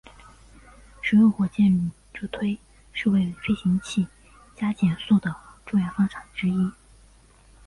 使用火箭助推是为飞行器加减速的重要方法之一。